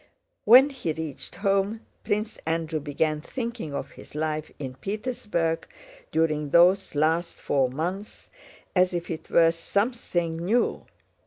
When he reached home Prince Andrew began thinking of his life in Petersburg during those last four months as if it were something new.